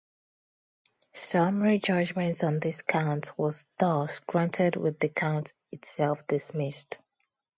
Summary judgement on this count was thus granted with the count itself dismissed.